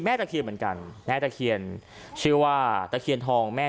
ตะเคียนเหมือนกันแม่ตะเคียนชื่อว่าตะเคียนทองแม่